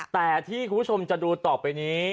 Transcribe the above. แต่ที่คุณผู้ชมจะดูต่อไปนี้